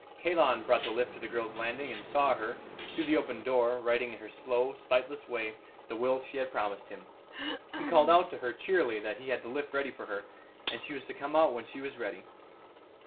Kalon brought the lift to the girl's landing, and saw her, through the open door, writing in her slow, sightless way the will she had promised him. He called out to her cheerily that he had the lift ready for her, and she was to come out when she was ready.